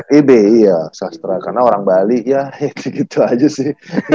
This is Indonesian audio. feb iya sastra karena orang bali ya gitu gitu aja sih